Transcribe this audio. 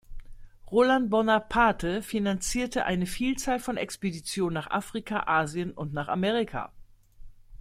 Roland Bonaparte finanzierte eine Vielzahl von Expeditionen nach Afrika, Asien und nach Amerika.